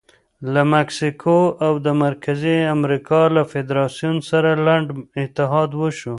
له مکسیکو او د مرکزي امریکا له فدراسیون سره لنډ اتحاد وشو.